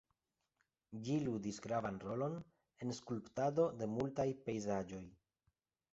Ĝi ludis gravan rolon en skulptado de multaj pejzaĝoj.